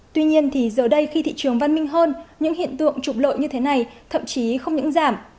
tuy nhiên thì giờ đây khi thị trường văn minh hơn những hiện tượng trục lợi như thế này thậm chí không những giảm